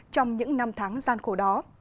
trong những năm tháng gian khổ đó